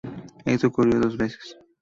Esto ocurrió dos veces.